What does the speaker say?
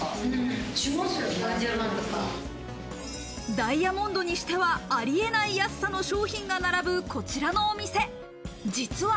ダイヤモンドにしてはありえない安さの商品が並ぶこちらのお店。